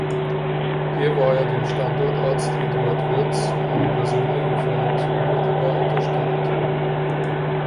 Hier war er dem Standortarzt Eduard Wirths, einem persönlichen Freund, unmittelbar unterstellt.